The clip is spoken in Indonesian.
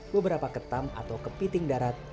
beberapa ketam atau kepiting darat